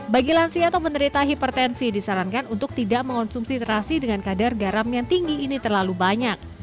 bagi lansia atau penderita hipertensi disarankan untuk tidak mengonsumsi terasi dengan kadar garam yang tinggi ini terlalu banyak